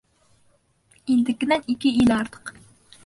Илдекенән ике иле артыҡ.